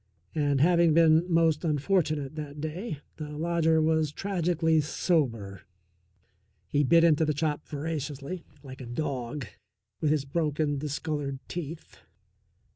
And, having been most unfortunate that day, the lodger was tragically sober. He bit into the chop voraciously, like a dog, with his broken, discoloured teeth.